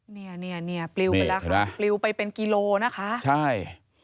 เนี่ยปลิวไปละครับปลิวไปเป็นกิโลนะคะใช่